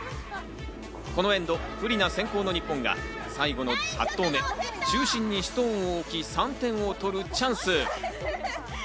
このエンド、不利な先攻の日本が最後の８投目、中心にストーンを置き、３点を取るチャンス。